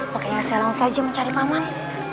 makanya saya langsung saja mencari maman